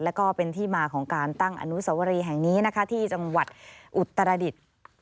แล้วก็เป็นที่มาของการตั้งอนุสวรีแห่งนี้นะคะที่จังหวัดอุตรดิษฐ์